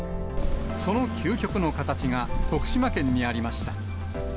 その究極の形が徳島県にありました。